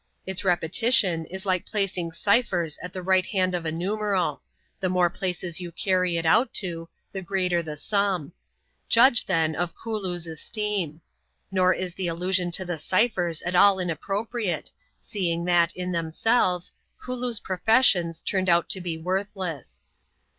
Its repetitioa is like placing ciphers at the right hand of a numeral ; the more places you carry it out to, the greater the sum. Judge, ibeii, of Eooloo's esteem. Nor is the allusion to the ciphers at aU inappropriate, seeing that, in themselves, Kooloo's profei||Sii)08 turned out to be worthless.